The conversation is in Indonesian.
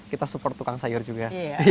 kita support tukang sayur juga